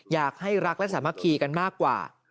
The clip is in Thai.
อยากให้รักและสามัคคีกันมากกว่า